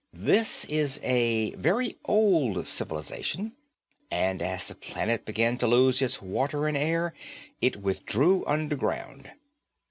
"This is a very old civilization and as the planet began to lose its water and air, it withdrew underground.